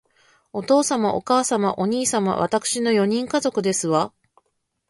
お父様、お母様、お兄様、わたくしの四人家族ですわ